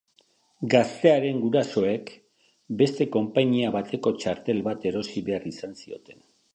Gaztearen gurasoek, beste konpainia bateko txartel bat erosi behar izan zioten.